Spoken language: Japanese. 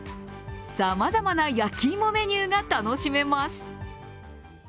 さまざまな焼き芋メニューが楽しめます。